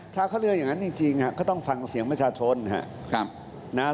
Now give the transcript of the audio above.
ถ้าเขาเลือกอย่างนั้นจริงก็ต้องฟังเสียงประชาชนนะครับ